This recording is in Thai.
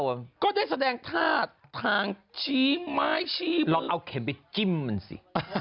ก็ได้แสดงท่าทางชี้ไม้ชี้ลองเอาเข็มไปจิ้มมันสิ